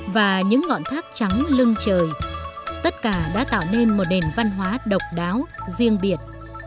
và những ngọn thác trắng lưng trời tất cả đã tạo nên một nền văn hóa độc đáo riêng biệt